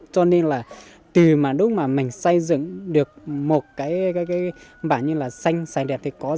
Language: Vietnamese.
cho nên là từ mà đúng mà mình xây dựng được một cái bản như là xanh xanh đẹp thì có rất